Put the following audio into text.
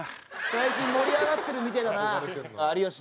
最近盛り上がってるみてえだな。